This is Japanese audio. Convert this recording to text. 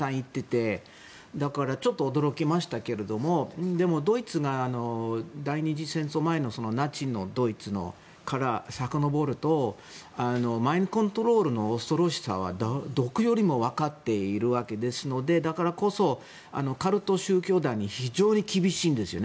だからちょっと驚きましたけれどもでもドイツが第２次戦争前のナチスのドイツにさかのぼるとマインドコントロールの恐ろしさはどこよりも分かっているわけですのでだからこそ、カルト宗教団に非常に厳しいんですよね。